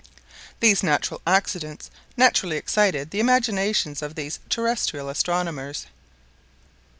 These natural accidents naturally excited the imaginations of these terrestrial astronomers.